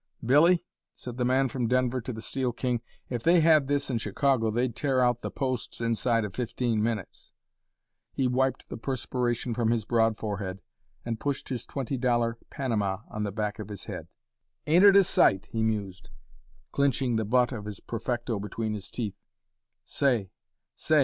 "Billy," said the man from Denver to the Steel King, "if they had this in Chicago they'd tear out the posts inside of fifteen minutes" he wiped the perspiration from his broad forehead and pushed his twenty dollar Panama on the back of his head. "Ain't it a sight!" he mused, clinching the butt of his perfecto between his teeth. "Say! say!